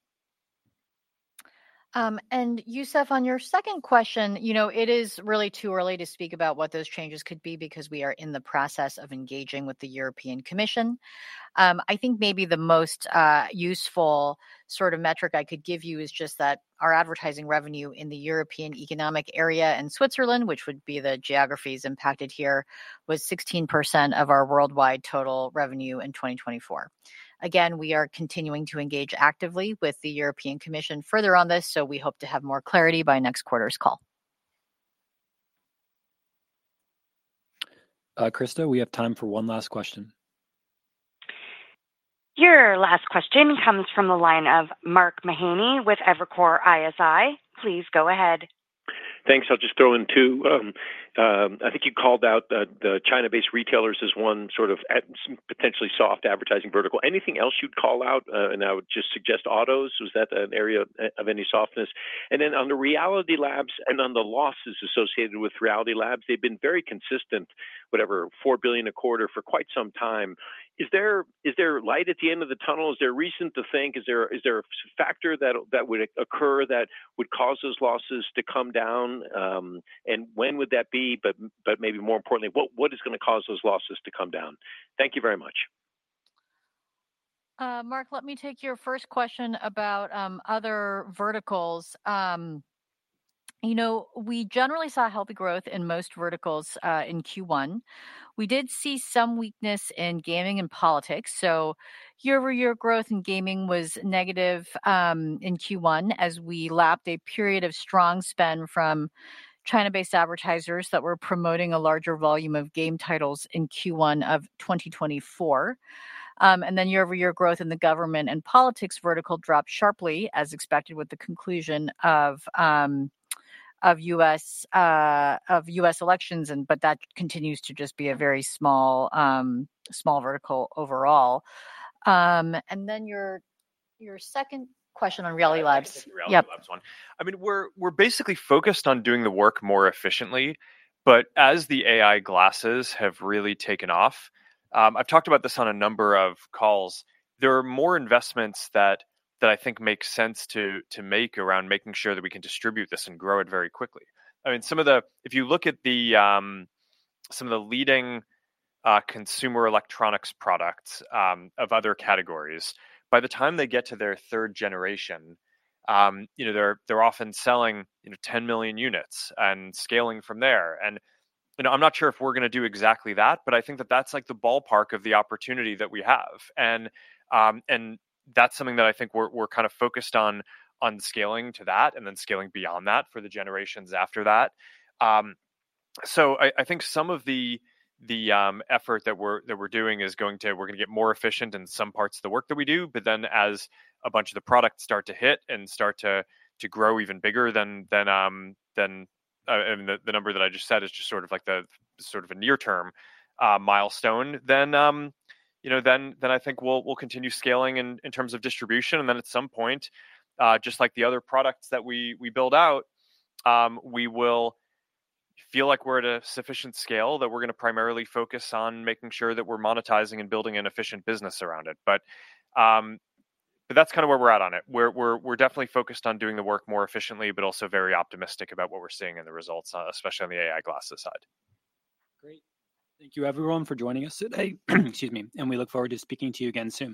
Youssef, on your second question, it is really too early to speak about what those changes could be because we are in the process of engaging with the European Commission. I think maybe the most useful sort of metric I could give you is just that our advertising revenue in the European Economic Area and Switzerland, which would be the geographies impacted here, was 16% of our worldwide total revenue in 2024. Again, we are continuing to engage actively with the European Commission further on this, so we hope to have more clarity by next quarter's call. Krista, we have time for one last question. Your last question comes from the line of Mark Mahaney with Evercore ISI. Please go ahead. Thanks. I'll just throw in two. I think you called out the China-based retailers as one sort of potentially soft advertising vertical. Anything else you'd call out? I would just suggest autos. Was that an area of any softness? Then on the Reality Labs and on the losses associated with Reality Labs, they've been very consistent, whatever, $4 billion a quarter for quite some time. Is there light at the end of the tunnel? Is there reason to think? Is there a factor that would occur that would cause those losses to come down? When would that be? Maybe more importantly, what is going to cause those losses to come down? Thank you very much. Mark, let me take your first question about other verticals. We generally saw healthy growth in most verticals in Q1. We did see some weakness in gaming and politics. Year-over-year growth in gaming was negative in Q1 as we lapped a period of strong spend from China-based advertisers that were promoting a larger volume of game titles in Q1 of 2024. Year-over-year growth in the government and politics vertical dropped sharply, as expected, with the conclusion of U.S. elections. That continues to just be a very small vertical overall. Your second question on Reality Labs. Reality Labs one. I mean, we're basically focused on doing the work more efficiently. As the AI glasses have really taken off, I've talked about this on a number of calls, there are more investments that I think make sense to make around making sure that we can distribute this and grow it very quickly. I mean, if you look at some of the leading consumer electronics products of other categories, by the time they get to their third generation, they're often selling 10 million units and scaling from there. I'm not sure if we're going to do exactly that, but I think that that's like the ballpark of the opportunity that we have. That's something that I think we're kind of focused on, scaling to that and then scaling beyond that for the generations after that. I think some of the effort that we're doing is going to, we're going to get more efficient in some parts of the work that we do. Then as a bunch of the products start to hit and start to grow even bigger than the number that I just said is just sort of like a near-term milestone, I think we'll continue scaling in terms of distribution. At some point, just like the other products that we build out, we will feel like we're at a sufficient scale that we're going to primarily focus on making sure that we're monetizing and building an efficient business around it. That's kind of where we're at on it. We're definitely focused on doing the work more efficiently, but also very optimistic about what we're seeing in the results, especially on the AI glasses side. Great. Thank you, everyone, for joining us today. Excuse me. We look forward to speaking to you again soon.